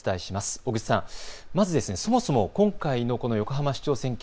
小口さんまずそもそも今回のこの横浜市長選挙